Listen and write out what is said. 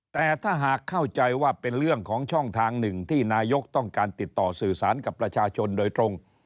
แต่ถ้าหากเข้าใจว่าเป็นเรื่องของช่องทางหนึ่งที่นายกต้องการติดต่อสื่อสารกับประชาชนโดยตรง